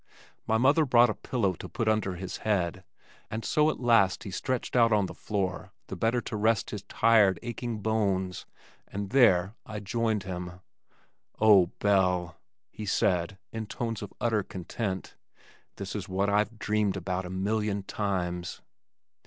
My mother brought a pillow to put under his head, and so at last he stretched out on the floor the better to rest his tired, aching bones, and there I joined him. "Oh, Belle!" he said, in tones of utter content. "This is what I've dreamed about a million times."